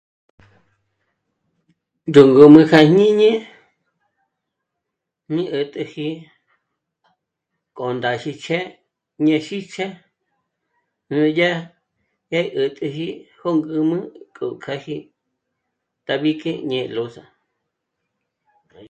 Ndúngǔm'ü kja jñíni mí 'ä̀t'äji k'o ndá'sich'e ñé'e xî'ch'e né'e dyá í 'ä̀t'äji jôngǔm'ü k'o kjâji tabique ñé'e loza